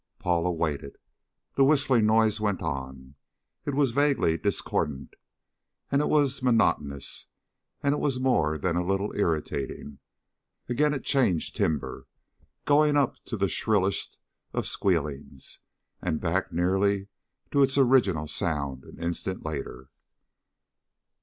Paula waited. The whistling noise went on. It was vaguely discordant, and it was monotonous, and it was more than a little irritating. Again it changed timbre, going up to the shrillest of squealings, and back nearly to its original sound an instant later.